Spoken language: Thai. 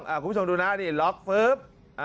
คุณผู้ชมดูนะล็อกฟื้ม